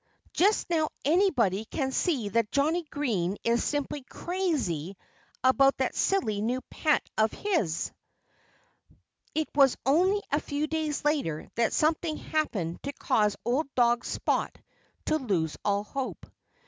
Just now anybody can see that Johnnie Green is simply crazy about that silly new pet of his." It was only a few days later that something happened to cause old dog Spot to lose all hope.